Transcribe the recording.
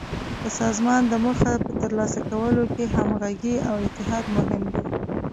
د سازمان د موخو په تر لاسه کولو کې همغږي او اتحاد مهم دي.